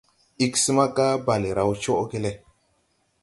Ig smaga, Bale raw coʼge le.